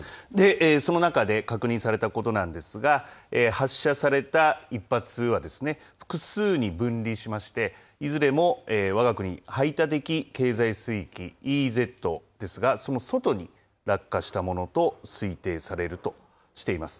その中で、確認されたことなんですが、発射された１発は、複数に分離しまして、いずれもわが国排他的経済水域・ＥＥＺですが、その外に落下したものと推定されるとしています。